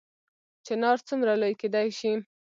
چنار څومره لوی کیدی شي؟